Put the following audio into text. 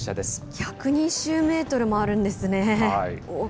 １２０メートルもあるんですね。